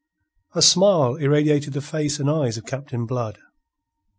A smile irradiated the face and eyes of Captain Blood.